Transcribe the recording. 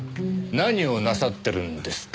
何をなさってるんですか？